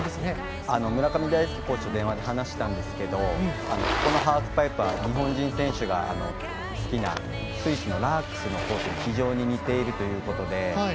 村上大輔コーチと電話で話したんですがここのハーフパイプは日本人選手が好きなスイスのラークスのコースに非常に似ているということで。